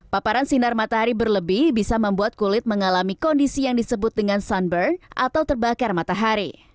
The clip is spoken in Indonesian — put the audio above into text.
paparan sinar matahari berlebih bisa membuat kulit mengalami kondisi yang disebut dengan sunburn atau terbakar matahari